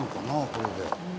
これで。